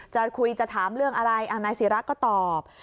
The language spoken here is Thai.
จะคุยจะถามเรื่องอะไรนายศิราก็ตอบ